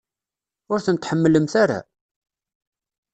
Ur tent-tḥemmlemt ara?